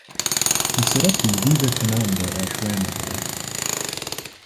He set up the Vivekananda Ashrama there.